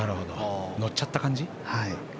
乗っちゃった感じ？